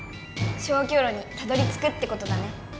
消去炉にたどりつくってことだね！